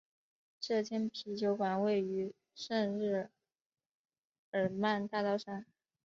这间啤酒馆位于圣日耳曼大道上。